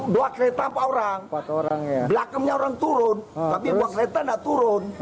dua kereta empat orang belakangnya orang turun tapi dua kereta tidak turun